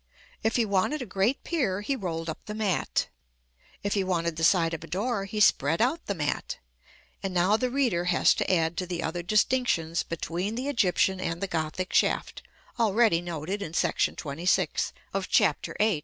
If he wanted a great pier he rolled up the mat; if he wanted the side of a door he spread out the mat: and now the reader has to add to the other distinctions between the Egyptian and the Gothic shaft, already noted in § XXVI. of Chap. VIII.